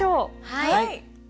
はい！